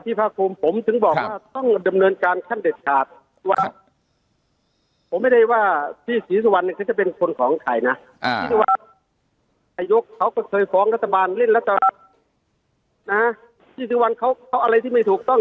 พี่ศรีศวรรณเขาอะไรที่ไม่ถูกต้อง